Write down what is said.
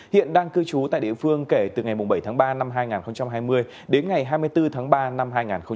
hiện đang cư trú tại địa phương kể từ ngày bảy tháng ba năm hai nghìn hai mươi đến ngày hai mươi bốn tháng ba năm hai nghìn hai mươi